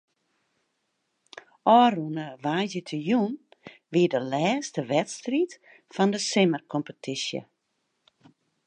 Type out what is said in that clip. Ofrûne woansdeitejûn wie de lêste wedstriid fan de simmerkompetysje.